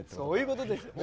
そういうことです